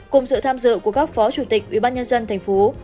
cùng sự tham dự của các phó chủ tịch ubnd tp hcm